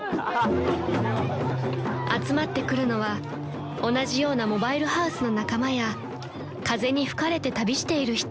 ［集まってくるのは同じようなモバイルハウスの仲間や風に吹かれて旅している人］